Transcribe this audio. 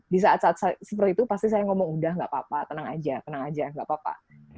di saat saat seperti itu pasti saya ngomong udah gak apa apa tenang saja gak apa apa